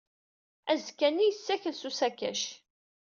Azekka-nni, yessakel s usakac.